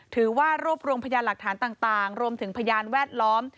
ถือว่ารวบรวมพยานหลักฐานต่างรวมถึงพยานแวดล้อม